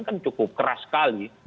kan cukup keras sekali